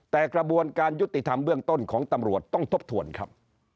แต่กระบวนการยุติธรรมเบื้องต้นของตำรวจต้องทบทวนครับ